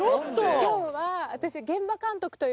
今日は私。